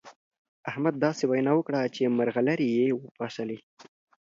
احمد داسې وينا وکړه چې مرغلرې يې وپاشلې.